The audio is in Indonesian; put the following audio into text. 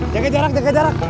jaga jarak jaga jarak